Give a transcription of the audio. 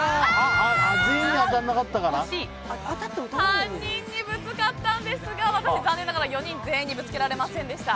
３人にぶつかったんですが私、残念ながら、４人全員にぶつけられませんでした。